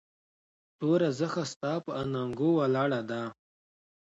توره زخه ستا پهٔ اننګو ولاړه ده